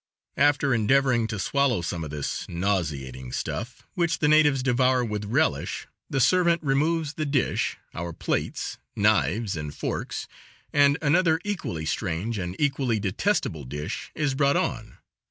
After endeavoring to swallow some of this nauseating stuff, which the natives devour with relish, the servant removes the dish, our plates, knives and forks, and another equally strange and equally detestable dish is brought on.